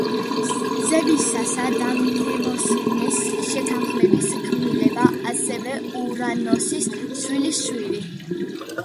ზევსისა და მნემოსინეს შეთანხმების ქმნილება, ასევე ურანოსის შვილიშვილი.